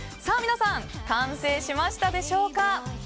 皆さん、完成しましたでしょうか。